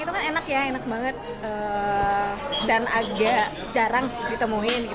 itu kan enak ya enak banget dan agak jarang ditemuin